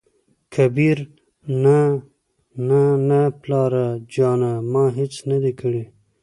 کبير : نه نه نه پلاره جانه ! ما هېڅ نه دى کړي.